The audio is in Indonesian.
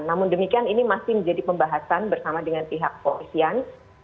namun demikian ini masih menjadi pembahasan bersama dengan pihak kepolisian